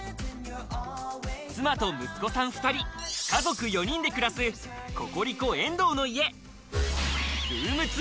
妻と息子さん２人、家族４人で暮らす、ココリコ遠藤の家。